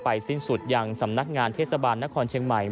สิ้นสุดยังสำนักงานเทศบาลนครเชียงใหม่